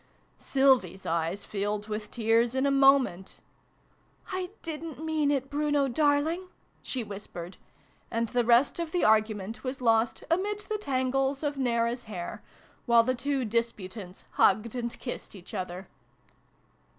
Sylvie s eyes filled with tears in a moment. " I didn't mean it, Bruno, darling /" she whis pered ; and the rest of the argument was lost 'amid the tangles of Nea^ra's hair,' while the two disputants hugged and kissed each other.